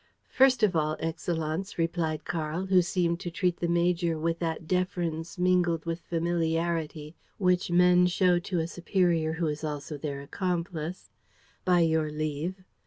"First of all, Excellenz," replied Karl, who seemed to treat the major with that deference mingled with familiarity which men show to a superior who is also their accomplice, "by your leave."